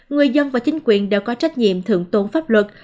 người dân và chính quyền đều có trách nhiệm thượng tôn pháp luật